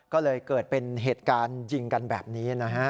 ก็เลยเกิดเป็นเหตุการณ์ยิงกันแบบนี้นะฮะ